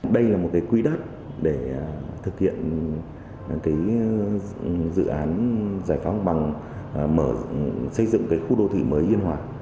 đây là một cái quy đắc để thực hiện dự án giải phóng bằng xây dựng khu đô thủy mới yên hòa